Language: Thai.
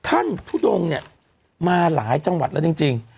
ทุดงเนี่ยมาหลายจังหวัดแล้วจริง